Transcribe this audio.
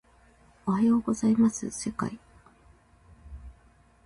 おはようございます世界